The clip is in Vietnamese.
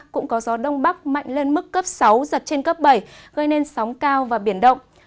cũng có gió đông bắc mạnh lên mức cấp sáu giật trên cấp bảy gây nên sóng cao và biển động